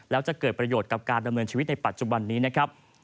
แล้วจะเกิดประโยชน์กับการดำเนินชีวิตในปัจจุบันนี้นะครับ